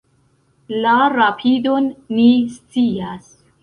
La rapidon ni scias.